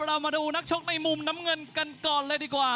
เรามาดูนักชกในมุมน้ำเงินกันก่อนเลยดีกว่า